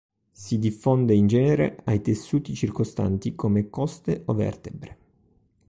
Si diffonde in genere ai tessuti circostanti, come coste o vertebre.